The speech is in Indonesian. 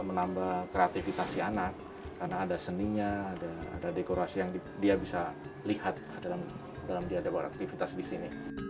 menambah kreativitas si anak karena ada seninya ada dekorasi yang dia bisa lihat dalam diadakan